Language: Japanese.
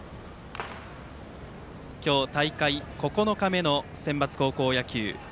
今日大会９日目のセンバツ高校野球。